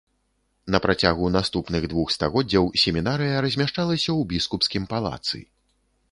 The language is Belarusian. На працягу наступных двух стагоддзяў семінарыя размяшчалася ў біскупскім палацы.